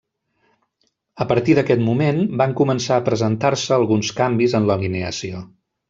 A partir d'aquest moment, van començar a presentar-se alguns canvis en l'alineació.